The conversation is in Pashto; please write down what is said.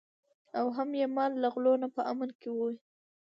او هم یې مال له غلو نه په امن کې وي.